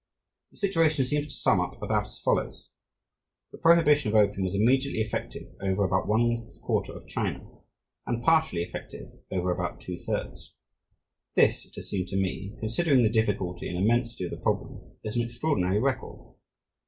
The situation seems to sum up about as follows: The prohibition of opium was immediately effective over about one quarter of China, and partially effective over about two thirds. This, it has seemed to me, considering the difficulty and immensity of the problem, is an extraordinary record.